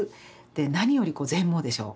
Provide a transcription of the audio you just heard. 何より全盲でしょう。